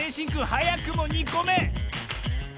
はやくも２こめ！